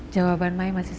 jawaban mai baik banget